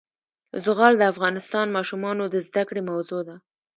زغال د افغان ماشومانو د زده کړې موضوع ده.